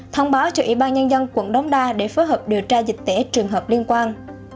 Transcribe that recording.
thông báo cho ủy ban nhân dân quận đống đa để phối hợp điều tra dịch tễ trường hợp liên quan